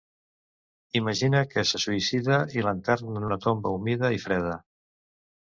Imagina que se suïcida i l'enterren en una tomba humida i freda.